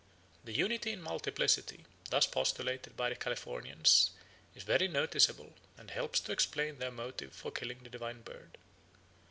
The unity in multiplicity thus postulated by the Californians is very noticeable and helps to explain their motive for killing the divine bird.